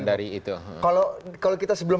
dari itu kalau kita sebelum